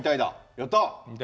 やった！